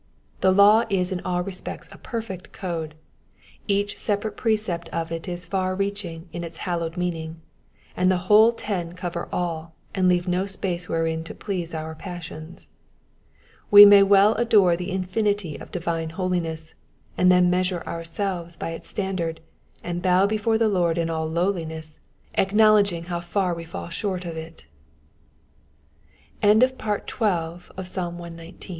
The law is in all respects a perfect code ; each separate precepc of it is far reaching in its hallowed meaning, and the whole ten cover all, and leave no space wherein to please our passions. We may well adore the infinity of divine holiness, and then measure ourselves by its standard, and bow before th« Lord in all lowliness, acknowledging how far we f